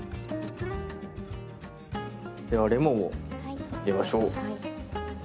ではレモンを入れましょう。